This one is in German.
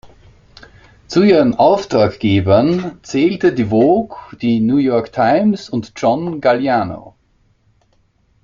Zu ihren Auftraggebern zählte die Vogue, die New York Times und John Galliano.